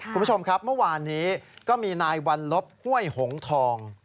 คุณผู้ชมครับเมื่อวานนี้ก็มีนายวัลลบห้วยหงทอง